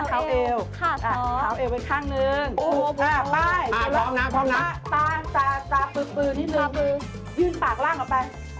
ฟั้งท่าเก่งน่ะสวยมากเลยนะเพียงนี้สินะครับ